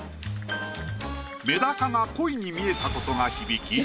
メダカが鯉に見えた事が響き